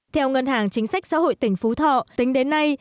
theo ngân hàng chính sách xã hội tỉnh phú thọ tính đến nay